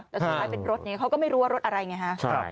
แต่สุดท้ายเป็นรถนี้เขาก็ไม่รู้ว่ารถอะไรไงฮะ